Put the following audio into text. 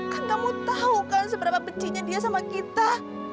kan kamu tahu kan seberapa bencinya dia sama kita